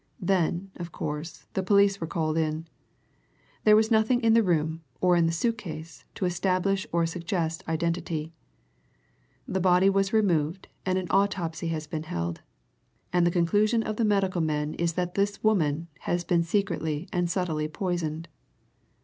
Then, of course, the police were called in. There was nothing in the room or in the suit case to establish or suggest identity. The body was removed, and an autopsy has been held. And the conclusion of the medical men is that this woman has been secretly and subtly poisoned."